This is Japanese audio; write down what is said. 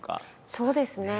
そうですね。